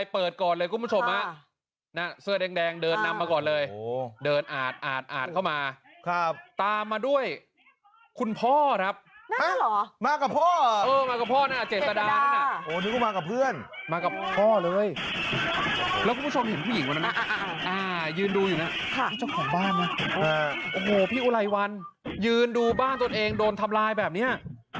เพิ่งเหลือ๔คนตรงนั้นช่วยทำร้ายทรัพย์แล้วก็มาให้เข้าไปทำร้ายทรัพย์